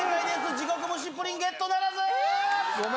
地獄蒸しプリンゲットならず